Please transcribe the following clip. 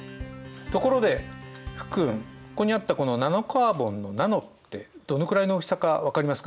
ところで福君ここにあったこの「ナノカーボン」の「ナノ」ってどのくらいの大きさか分かりますか？